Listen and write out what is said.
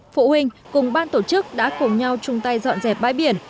phụ huynh cùng ban tổ chức đã cùng nhau chung tay dọn dẹp bãi biển